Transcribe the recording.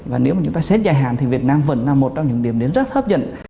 và nếu mà chúng ta xét dài hạn thì việt nam vẫn là một trong những điểm đến rất hấp dẫn